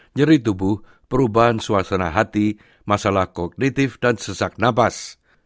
nyeri tubuh perubahan suasana hati masalah kognitif dan sesak napas